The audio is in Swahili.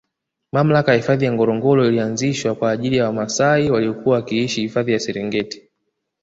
Mamlaka ya hifadhi ya Ngorongoro ilianzishwa kwaajili ya wamaasai waliokuwa wakiishi hifahi ya Serengeti